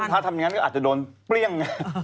แต่ถ้าพระทำอย่างนั้นก็อาจจะโดนเปรี้ยง